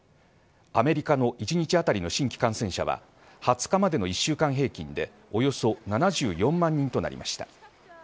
アメリカの一日当たりの新規感染者は２０日までの１週間平均でおよそ７４万人となりました。